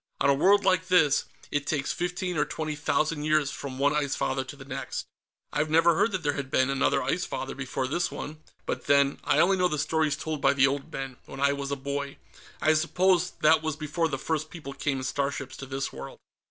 On a world like this, it takes fifteen or twenty thousand years from one Ice Father to the next." "I never heard that there had been another Ice Father, before this one. But then, I only know the stories told by the old men, when I was a boy. I suppose that was before the first people came in starships to this world."